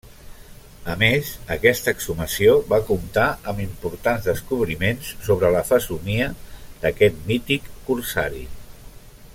A més, aquesta exhumació va comptar amb importants descobriments sobre la fesomia d'aquest mític corsari.